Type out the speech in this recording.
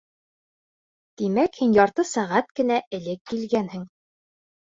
Тимәк, һин ярты сәғәт кенә элек килгәнһең.